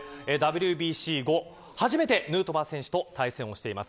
ＷＢＣ後、初めてヌートバー選手と対戦をしています。